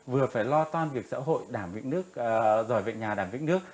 vừa phải lo toan việc xã hội giỏi vệ nhà đảm viện nước